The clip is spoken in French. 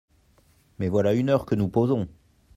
Mais voilà une heure que nous posons !